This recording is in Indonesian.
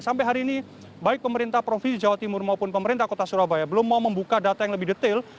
sampai hari ini baik pemerintah provinsi jawa timur maupun pemerintah kota surabaya belum mau membuka data yang lebih detail